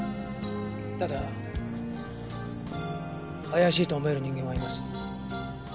ただ怪しいと思える人間はいます。